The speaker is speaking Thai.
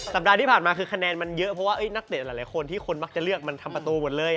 ปัดที่ผ่านมาคือคะแนนมันเยอะเพราะว่านักเตะหลายคนที่คนมักจะเลือกมันทำประตูหมดเลย